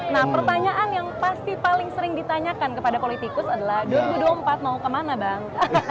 nah pertanyaan yang pasti paling sering ditanyakan kepada politikus adalah dua ribu dua puluh empat mau kemana bang